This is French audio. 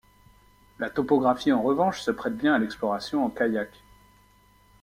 La topographie en revanche se prête bien à l'exploration en kayak.